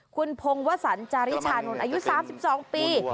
คุณพงวสันจาริชานนท์อายุ๓๒ปี